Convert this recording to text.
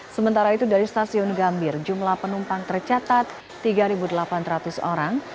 sementara itu dari stasiun gambir jumlah penumpang tercatat tiga delapan ratus orang